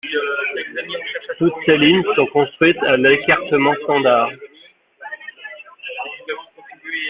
Toutes ces lignes sont construites à l'écartement standard.